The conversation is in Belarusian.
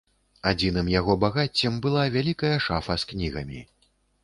Адзіным яго багаццем была вялікая шафа з кнігамі.